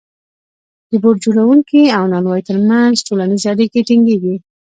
د بوټ جوړونکي او نانوای ترمنځ ټولنیزې اړیکې ټینګېږي